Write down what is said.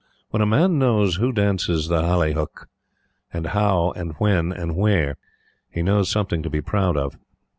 When a man knows who dances the Halli Hukk, and how, and when, and where, he knows something to be proud of.